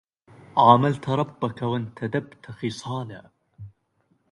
عاملت ربك وانتدبت خصالا